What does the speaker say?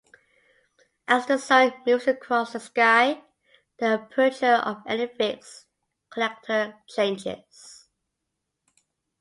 As the sun moves across the sky, the aperture of any fixed collector changes.